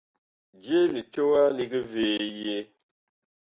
Je litowa lig vee yee ?